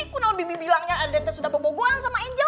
kau tau bibi bilangnya aden teh sudah bebogohan sama angel